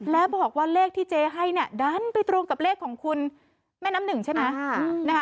แล้วบอกว่าเลขที่เจ๊ให้เนี่ยดันไปตรงกับเลขของคุณแม่น้ำหนึ่งใช่ไหม